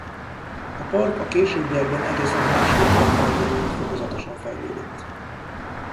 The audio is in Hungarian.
A park a későbbiekben egészen a második világháborúig fokozatosan fejlődött.